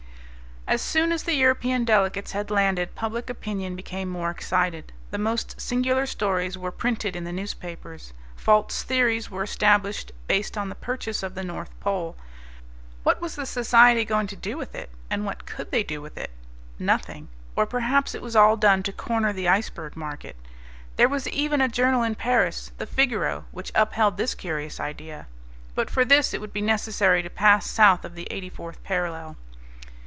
As soon as the European delegates had landed public opinion became more excited. The most singular stories were printed in the newspapers. False theories were established, based on the purchase of the North Pole. What was the Society going to do with it? And what could they do with it? Nothing; or perhaps it was all done to corner the iceberg market. There was even a journal in Paris, the Figaro, which upheld this curious idea. But for this it would be necessary to pass south of the eighty fourth parallel.